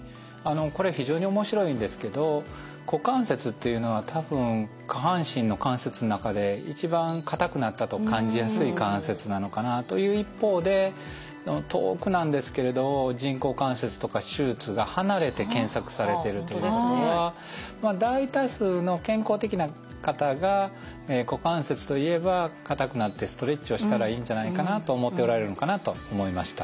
これ非常に面白いんですけど股関節っていうのは多分下半身の関節の中で一番硬くなったと感じやすい関節なのかなという一方で遠くなんですけれど「人工関節」とか「手術」が離れて検索されてるということは大多数の健康的な方が股関節といえば硬くなってストレッチをしたらいいんじゃないかなと思っておられるのかなと思いました。